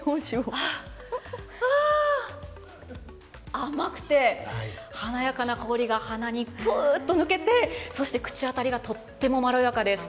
甘くて華やかな香りが鼻に抜けてそして口当たりが、とてもまろやかです。